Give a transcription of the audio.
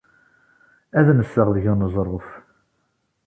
Ad nseɣ deg uneẓruf.